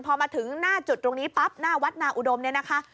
พอมาถึงหน้าจุดตรงนี้ปั๊บหน้าวัดนาอุดมเนี่ยนะคะ